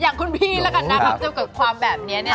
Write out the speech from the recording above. อย่างคุณพี่แล้วกันนะครับมันจะเกิดความแบบนี้เนี่ย